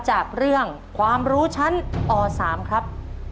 จากเรื่องความรู้ชั้นอ๓ครับ